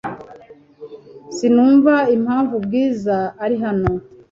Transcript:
Sinumva impamvu Bwiza ari hano .